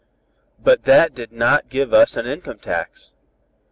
But that did not give to us an income tax.